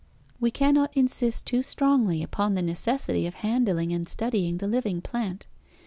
We cannot insist too strongly upon the necessity of handling and studying the living plant.